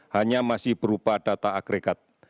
hanya masih berupa data agregat